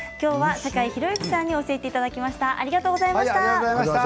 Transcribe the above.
坂井宏行さんに教えていただきました。